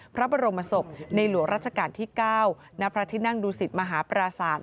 พระบรมศพในหลวงราชการที่๙ณพระที่นั่งดูสิตมหาปราศาสตร์